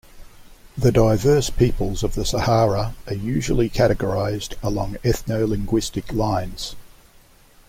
The diverse peoples of the Sahara are usually categorized along ethno-linguistic lines.